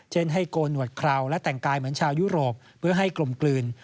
ให้โกนหวดคราวและแต่งกายเหมือนชาวยุโรปเพื่อให้กลมกลืน